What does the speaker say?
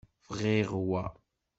Bɣiɣ wa.